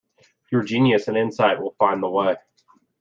Your genius and insight will find the way.